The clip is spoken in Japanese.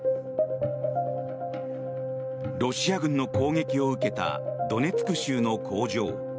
ロシア軍の攻撃を受けたドネツク州の工場。